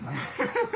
ハハハ！